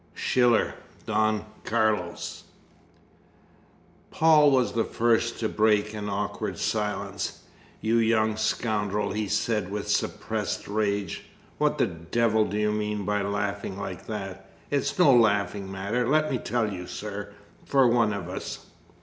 SCHILLER, Don Carlos. Paul was the first to break a very awkward silence. "You young scoundrel!" he said, with suppressed rage. "What the devil do you mean by laughing like that? It's no laughing matter, let me tell you, sir, for one of us!"